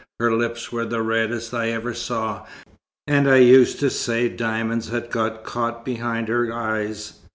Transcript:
"Her lips were the reddest I ever saw, and I used to say diamonds had got caught behind her eyes.